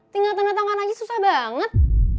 tinggal tanda tangan aja susah banget